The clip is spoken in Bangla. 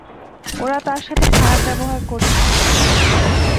ওরা তার সাথে খারাপ ব্যবহার করছে।